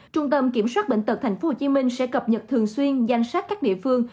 trung tâm kiểm soát bệnh tật tp hcm sẽ cập nhật thường xuyên danh sách các địa phương